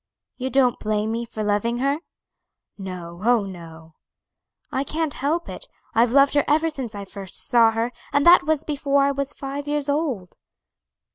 "You don't blame me for loving her?" "No; oh, no!" "I can't help it. I've loved her ever since I first saw her, and that was before I was five years old."